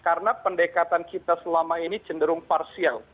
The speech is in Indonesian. karena pendekatan kita selama ini cenderung parsial